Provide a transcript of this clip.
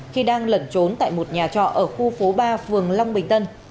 khi đang lẩn trốn tại một nhà trọ ở khu phố ba phường long bình tân